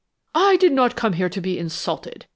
"I did not come here to be insulted!"